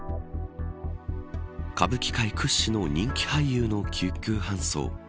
歌舞伎界屈指の人気俳優の救急搬送。